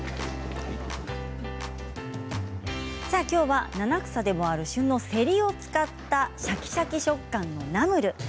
きょうは七草でもある旬のせりを使ったシャキシャキ食感のナムル。